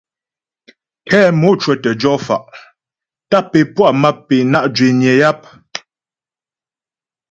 Kɛ mò cwə̌tə jɔ fa' tâp é puá mâp é na' zhwényə yap.